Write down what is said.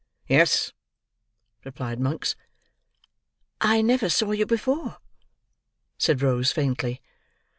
"Yes," replied Monks. "I never saw you before," said Rose faintly.